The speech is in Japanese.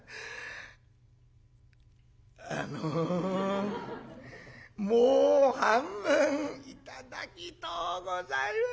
「あのもう半分頂きとうございます。